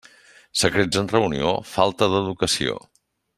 Secrets en reunió, falta d'educació.